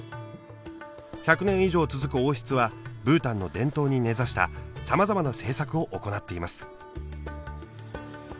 １００年以上続く王室はブータンの伝統に根ざしたさまざまな政策を行っています。